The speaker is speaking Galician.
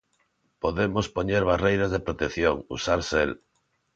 Podemos poñer barreiras de protección, usar xel...